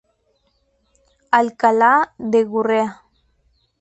Alcalá de Gurrea.